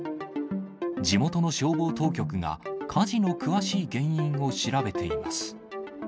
地元の消防当局が、火事の詳しい原因を調べています。